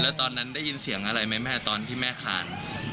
แล้วตอนนั้นได้ยินเสียงอะไรไหมแม่ตอนที่แม่ขาด